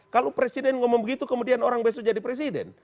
kalau presiden ngomong begitu kemudian orang besok jadi presiden